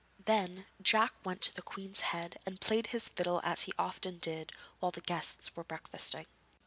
Then Jack went to the Queen's Head, and played his fiddle as he often did, while the guests were breakfasting.